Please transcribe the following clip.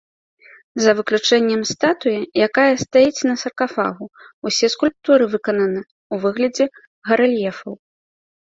За выключэннем статуі, якая стаіць на саркафагу, усе скульптуры выкананы ў выглядзе гарэльефаў.